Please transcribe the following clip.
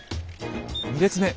２列目。